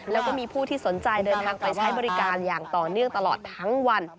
แล้วก็มีผู้ที่สนใจเดินทางไปใช้บริการอย่างต่อเนื่องตลอดทั้งวัน